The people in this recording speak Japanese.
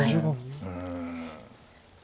うん。